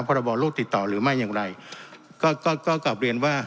พรบโลกติดต่อหรือไม่อย่างไรก็ก็กลับเรียนว่า